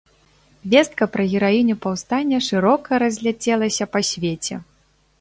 Вестка пра гераіню паўстання шырока разляцелася па свеце.